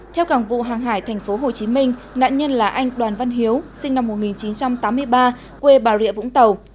theo cảng vụ hàng hải tp hcm nạn nhân là anh đoàn văn hiếu sinh năm một nghìn chín trăm tám mươi ba quê bà rịa vũng tàu